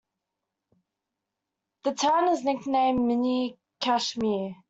The town is nicknamed, mini Kashmir.